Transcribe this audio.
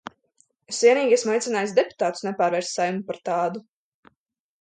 Es vienīgi esmu aicinājis deputātus nepārvērst Saeimu par tādu.